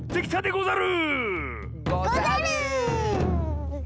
ござる！